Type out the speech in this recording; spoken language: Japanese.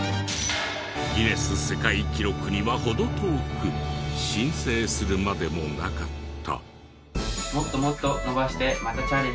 ギネス世界記録には程遠く申請するまでもなかった。